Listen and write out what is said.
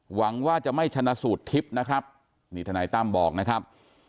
หวังว่าจะไม่ชนะสูตรทิพย์นะครับนี่ทนายตั้มบอกนะครับ